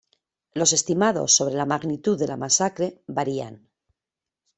Los estimados sobre la magnitud de la masacre varían.